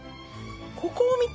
ここを見て。